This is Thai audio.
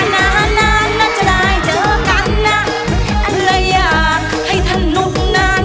อ่ะนานนานน่ะจะได้เจอกันน่ะอันละอยากให้ทนุกนาน